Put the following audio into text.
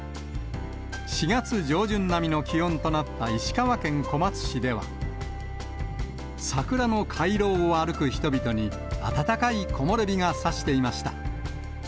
４月上旬並みの気温となった石川県小松市では、桜の回廊を歩く人々に暖かい木漏れ日がさしていました。